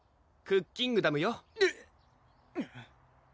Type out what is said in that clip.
クッキングダム？